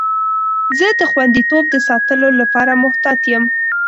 زه د خوندیتوب د ساتلو لپاره محتاط یم.